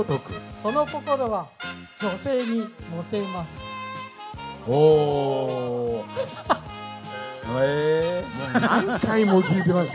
その心は、女性にもてます。